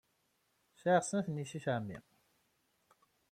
Sɛiɣ snat n yessi-s n ɛemmi.